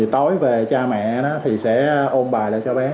tối về cha mẹ thì sẽ ôn bài để cho bé